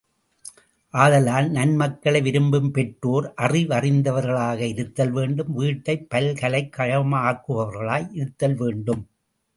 ஆதலால் நன்மக்களை விரும்பும் பெற்றோர் அறிவறிந்தவர்களாக இருத்தல் வேண்டும் வீட்டைப் பல்கலைக் கழகமாக்குபவர்களாய் இருத்தல் வேண்டும்.